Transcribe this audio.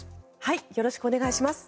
よろしくお願いします。